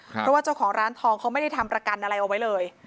เพราะว่าเจ้าของร้านทองเขาไม่ได้ทำประกันอะไรเอาไว้เลย